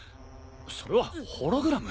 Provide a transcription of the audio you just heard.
それはホログラム？